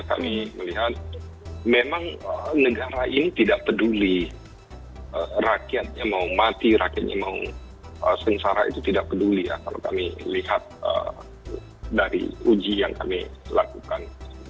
kami melihat memang negara ini tidak peduli rakyatnya mau mati rakyatnya mau sengsara itu tidak peduli ya kalau kami lihat dari uji yang kami lakukan